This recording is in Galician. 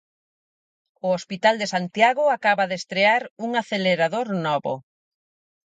O hospital de Santiago acaba de estrear un acelerador novo.